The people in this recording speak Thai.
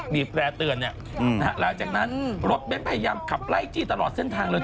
มีแปรเตือนหลังจากนั้นรถเบ้นพยายามขับไล่จี้ตลอดเส้นทางเลย